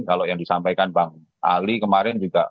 kalau yang disampaikan bang ali kemarin juga